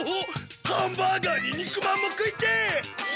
ハンバーガーに肉まんも食いてえ！